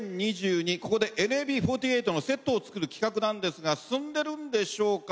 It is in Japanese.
ここでＮＭＢ４８のセットを作る企画なんですが進んでいるんでしょうか。